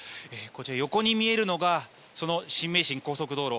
横に見えるのが新名神高速道路。